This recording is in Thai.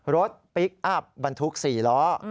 รถปิ๊กอัพบันทุกข์๔ล้อ